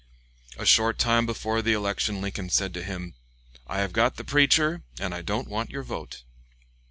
A short time before the election Lincoln said to him: "I have got the preacher, and I don't want your vote."